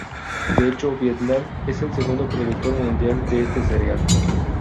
De hecho, Vietnam es el segundo productor mundial de este cereal.